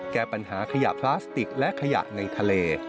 แก้ปัญหาขยะพลาสติกและขยะในทะเล